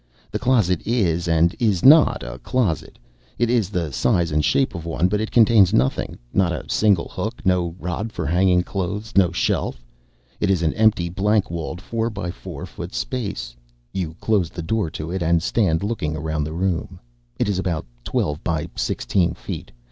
The closet is and is not a closet; it is the size and shape of one, but it contains nothing, not a single hook, no rod for hanging clothes, no shelf. It is an empty, blank walled, four by four foot space. You close the door to it and stand looking around the room. It is about twelve by sixteen feet.